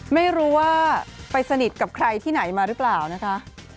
ไม่รู้ว่าไปสนิทกับใครที่ไหนมาหรือเปล่านะคะ